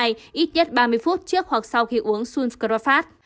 ít nhất ba mươi phút trước hoặc sau khi uống sunskrafast